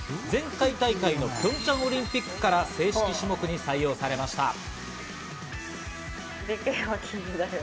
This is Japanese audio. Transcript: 前回大会のピョンチャンオリンピックから正式種目に採用されました。